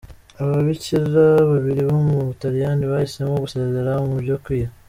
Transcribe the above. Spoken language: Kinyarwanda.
Ababikira babiri bo mu Butaliyani bahisemo gusezera mu byo kwiha.